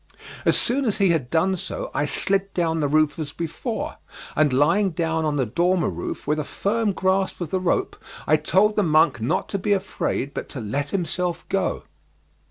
As soon as he had done so, I slid down the roof as before, and lying down on the dormer roof with a firm grasp of the rope I told the monk not to be afraid but to let himself go.